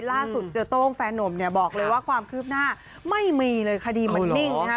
เจอโต้งแฟนนุ่มเนี่ยบอกเลยว่าความคืบหน้าไม่มีเลยคดีมันนิ่งนะฮะ